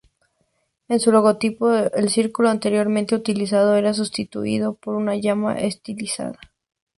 En su logotipo el círculo anteriormente utilizado era sustituido por una llama estilizada.